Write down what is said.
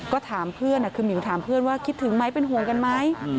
ก็ถามเพื่อนคือหมิวถามเพื่อนว่าคิดถึงไหมเป็นห่วงกันไหม